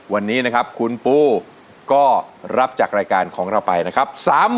วันนี้นะครับคุณปูก็รับจากรายการของเราไปนะครับ